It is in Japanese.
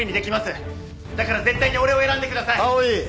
だから絶対に俺を選んでください！